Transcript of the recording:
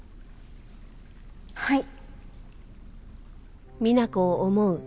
はい。